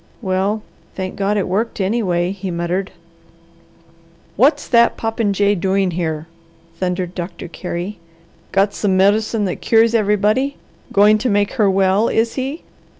"Well thank God it worked, anyway!" he muttered. "What's that popinjay doing here?" thundered Doctor Carey. "Got some medicine that cures everybody. Going to make her well, is he?